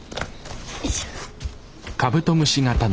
よいしょ。